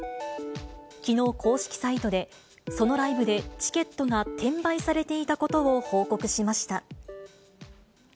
きのう公式サイトで、そのライブでチケットが転売されていたことを報告しました。